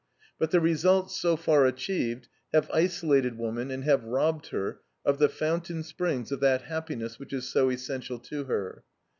But the results so far achieved have isolated woman and have robbed her of the fountain springs of that happiness which is so essential to her.